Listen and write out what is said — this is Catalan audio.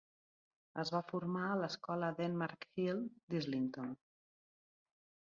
Es va formar a l'escola Denmark Hill d'Islington.